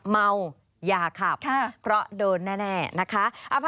เมาอย่าขับเพราะโดนแน่นะคะ